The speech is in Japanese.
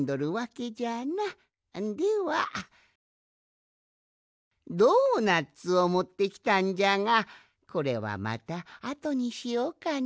ではドーナツをもってきたんじゃがこれはまたあとにしようかのう。